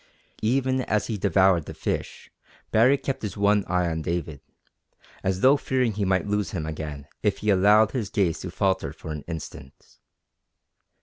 Even as he devoured the fish Baree kept his one eye on David, as though fearing he might lose him again if he allowed his gaze to falter for an instant.